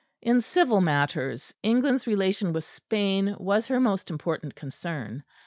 In civil matters, England's relation with Spain was her most important concern.